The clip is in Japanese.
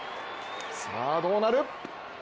さあ、どうなる？